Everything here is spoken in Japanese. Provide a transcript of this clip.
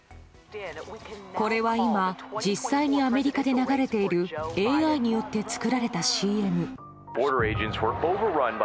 これは今実際にアメリカで流れているＡＩによって作られたＣＭ。